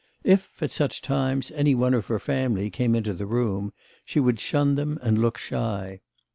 If, at such times, any one of her family came into the room, she would shun them and look shy.